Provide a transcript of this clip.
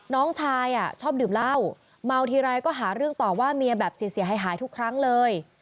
น้องชายชอบดื่มเหล้าเมาทีไรก็หาเรื่องต่อว่าเมียแบบเสียหายทุกครั้งเลย